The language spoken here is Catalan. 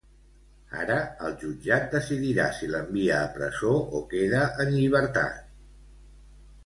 Ara, el jutjat decidirà si l'envia a presó o queda en llibertat.